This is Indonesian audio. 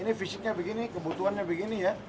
ini fisiknya begini kebutuhannya begini ya